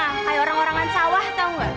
kayak orang orangan sawah tau gak